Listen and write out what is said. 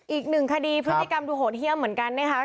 อีกหนึ่งคดีพฤติกรรมดูโหดเยี่ยมเหมือนกันนะคะ